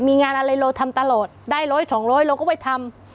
มีงานอะไรเราทำตลอดได้ร้อยสองร้อยเราก็ไปทำ